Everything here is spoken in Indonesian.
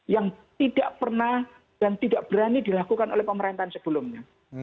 yang tidak pernah dan tidak berani dilakukan oleh pemerintahan sebelumnya